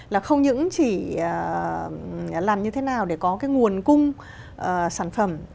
là không những chỉ làm như thế nào để có cái nguồn cung sản phẩm